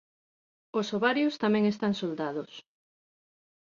Os ovarios tamén están soldados.